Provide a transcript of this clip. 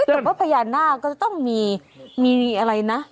แต่ว่าพญานาคก็จะต้องมีอะไรนะ